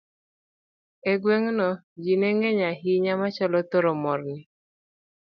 E gweng'no, ji ne ng'eny ahinya machalo thomorni